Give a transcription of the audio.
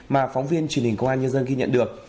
mà phóng viên truyền hình công an nhân dân ghi nhận được